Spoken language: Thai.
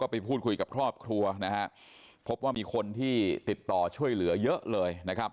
ไปพูดคุยกับครอบครัวนะฮะพบว่ามีคนที่ติดต่อช่วยเหลือเยอะเลยนะครับ